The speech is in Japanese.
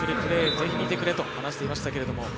ぜひ見てくれと話していました。